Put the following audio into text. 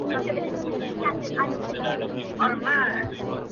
• چي د مرګ دام ته لوېدلې وه بېځایه ,